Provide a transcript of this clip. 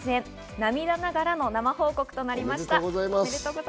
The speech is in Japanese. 涙ながらの生報告となりました。